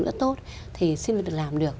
rất tốt thì sinh viên được làm được